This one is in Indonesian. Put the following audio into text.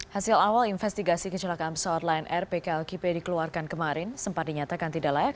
hasil awal investigasi kecelakaan pesawat lain rpklkp dikeluarkan kemarin sempat dinyatakan tidak layak